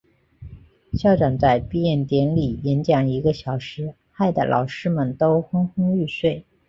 校长在毕业典礼演讲一个小时，害得老师们都昏昏欲睡。